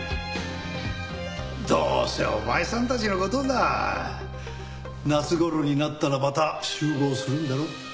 どうせお前さんたちの事だ夏頃になったらまた集合するんだろ？